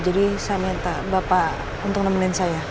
jadi saya minta bapak untuk nemenin saya